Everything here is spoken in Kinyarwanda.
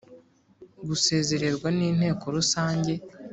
Gusezererwa n’inteko rusange